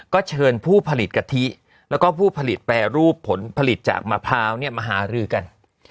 ก็เชิญผู้ผลิตกะทิแล้วก็ผู้ผลิตแปรรูปผลผลิตจากมะพร้าวมาหารือกัน